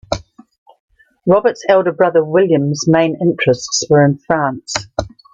Robert's elder brother William's main interests were in France.